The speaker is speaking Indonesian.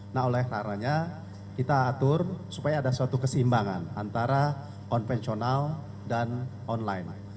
nah oleh karanya kita atur supaya ada suatu keseimbangan antara konvensional dan online